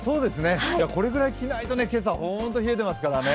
これぐらい着ないと今朝は本当に冷えてますからね。